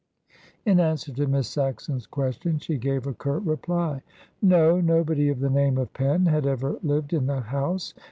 In answer to Miss Saxon's question she gave a curt reply. "No; nobody of the name of Penn had ever lived in that house.